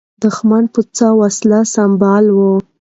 دښمن په څه وسلو سمبال و؟